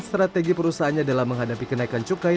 strategi perusahaannya dalam menghadapi kenaikan kenaikan roko elektrik